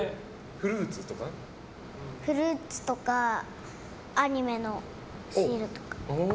フルーツとかアニメのシールとか。